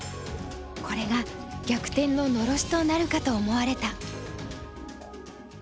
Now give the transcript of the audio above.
これが逆転ののろしとなるかと思われた。